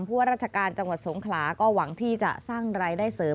ว่าราชการจังหวัดสงขลาก็หวังที่จะสร้างรายได้เสริม